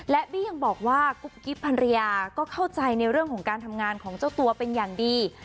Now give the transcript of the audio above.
และบี้ยังบอกว่ากุ๊บกิ๊บพันรยาก็เข้าใจในเรื่องของการทำงานของเจ้าตัวเป็นอย่างดี